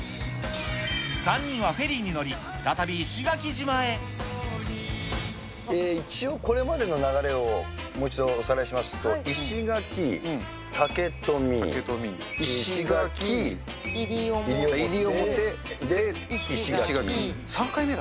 ３人はフェリーに乗り、一応、これまでの流れをもう一度おさらいしますと、石垣、竹富、３回目だ。